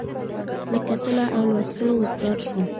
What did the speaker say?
له کتلو او لوستلو وزګار شوم.